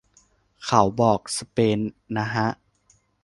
เขาบอกสเปนนะฮะ